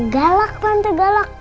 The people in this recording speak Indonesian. galak tante galak